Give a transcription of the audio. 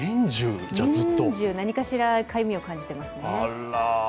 年中、何かしらかゆみを感じていますね。